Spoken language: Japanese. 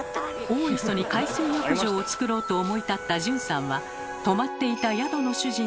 大磯に海水浴場をつくろうと思い立った順さんは泊まっていた宿の主人に話を持ちかけます。